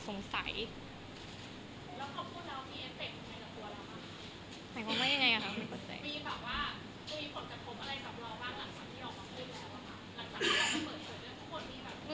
สวัสดีครับ